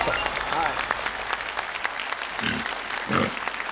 はい。